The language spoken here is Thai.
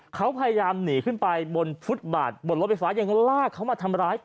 เขาพยายามหนีขึ้นไปบนฟุตบาทบนรถไฟฟ้ายังลากเขามาทำร้าย